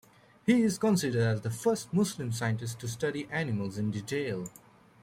He is considered as the first Muslim scientist to study animals in detail.